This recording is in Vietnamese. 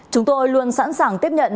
chúng tôi luôn sẵn sàng tiếp nhận